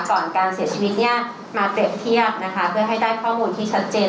ก่อนการเสียชีวิตเนี่ยมาเปรียบเทียบนะคะเพื่อให้ได้ข้อมูลที่ชัดเจน